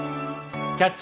「キャッチ！